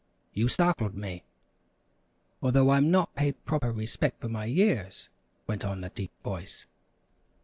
you startled me!" "Although I'm not paid proper respect for my years " went on the deep voice.